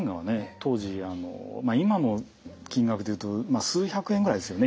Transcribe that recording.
当時今の金額で言うと数百円ぐらいですよね